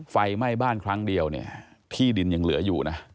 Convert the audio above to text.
ไฟไหม้บ้านครั้งเดียวเนี่ยที่ดินยังเหลืออยู่นะ